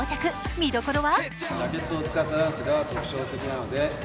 見どころは？